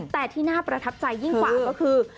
แต่ที่น่าประทับใจยิ่งกว่าก็คือ